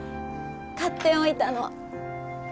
買っておいたの。